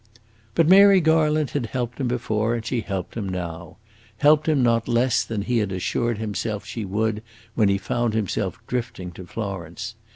But Mary Garland had helped him before, and she helped him now helped him not less than he had assured himself she would when he found himself drifting to Florence.